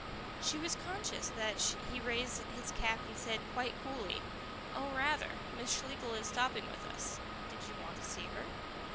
She was conscious that he raised his cap and said quite coolly, "Oh, rather; Miss Schlegel is stopping with us. Did you want to see her?"